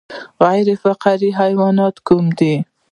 غیر فقاریه حیوانات کوم دي